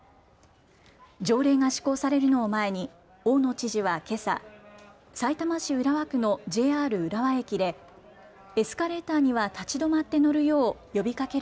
条例が施行されるのを前に大野知事はけさ、さいたま市浦和区のＪＲ浦和駅でエスカレーターには立ちどまって乗るよう呼びかける